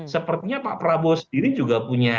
sepertinya pak prabowo sendiri juga punya